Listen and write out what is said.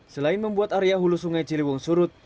selain membuat area hulu sungai ciliwung surut